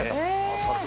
◆さすが。